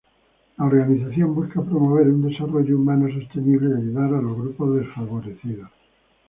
La organización busca promover un desarrollo humano sostenible y ayudar a los grupos desfavorecidos.